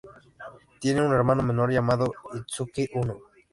Tiene un hermano menor llamado Itsuki Uno.